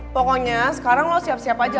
pokoknya sekarang lo siap siap aja